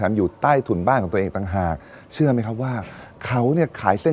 ไม่ว่าจะอยู่ไกลที่ไหน